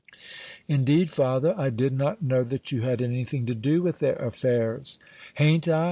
"Indeed, father, I did not know that you had any thing to do with their affairs." "Hain't I?